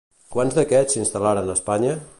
Quants d'aquests s'instal·laran a Espanya?